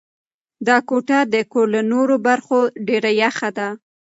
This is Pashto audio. دا کوټه د کور له نورو برخو ډېره یخه ده.